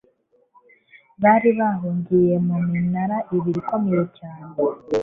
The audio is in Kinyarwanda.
bari bahungiye mu minara ibiri ikomeye cyane